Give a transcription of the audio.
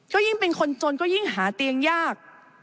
ก็ยิ่งเป็นคนจนก็ยิ่งหาเตียงยาก